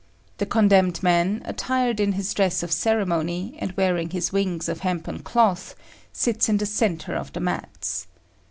The condemned man, attired in his dress of ceremony, and wearing his wings of hempen cloth, sits in the centre of the mats.